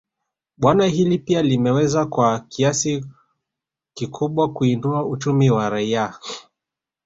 Bwawa hili pia limeweza kwa kiasi kikubwa kuinua uchumi wa raia